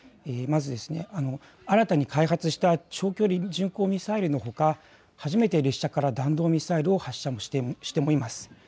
まず新たに開発した長距離巡航ミサイルのほか初めて列車から弾道ミサイルを発射をしてもいます。